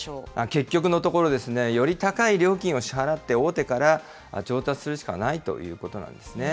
結局のところ、より高い料金を支払って、大手から調達するしかないということなんですね。